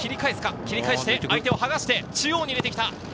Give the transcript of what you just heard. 切り替えして相手を剥がして中央に入れてきた！